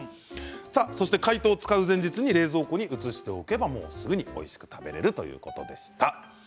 そして解凍は使う前日に冷蔵庫に移しておけばすぐにおいしく食べられるということでした。